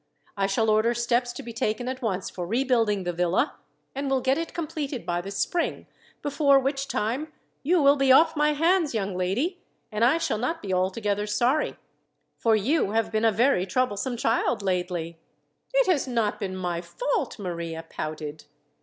I shall order steps to be taken at once for rebuilding the villa, and will get it completed by the spring, before which time you will be off my hands, young lady; and I shall not be altogether sorry, for you have been a very troublesome child lately." "It has not been my fault," Maria pouted.